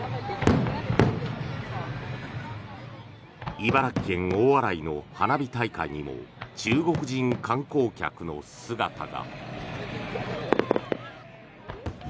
茨城県大洗の花火大会にも中国人観光客の姿が。